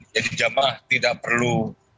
jadi jamaah tidak perlu